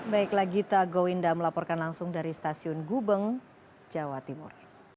baiklah gita gowinda melaporkan langsung dari stasiun gubeng jawa timur